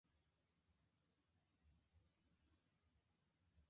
The series was filmed in Valencia, California and the Santa Clarita Valley.